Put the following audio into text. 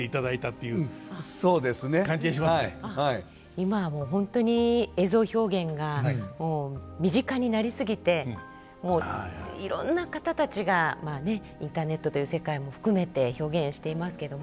今はもう本当に映像表現がもう身近になり過ぎてもういろんな方たちがまあねインターネットという世界も含めて表現していますけども。